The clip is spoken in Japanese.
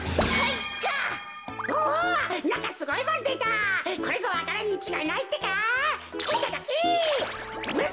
いただき！